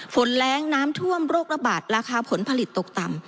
แรงน้ำท่วมโรคระบาดราคาผลผลิตตกต่ำ